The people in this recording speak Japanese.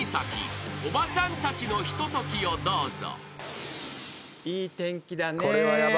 ［おばさんたちのひとときをどうぞ］